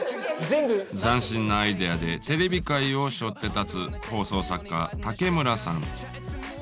斬新なアイデアでテレビ界をしょって立つ放送作家竹村さん。